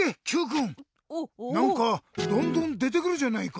なんかどんどんでてくるじゃないか。